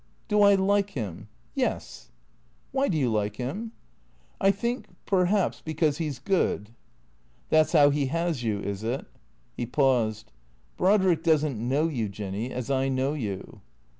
"Do I like him? Yes." " Why do you like him ?"" I think, perhaps, because he 's good." "That's how he has you, is it?" He paused. " Brodrick does n't know you, Jinny, as I know you."